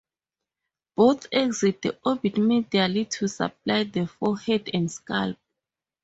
Both exit the orbit medially to supply the forehead and scalp.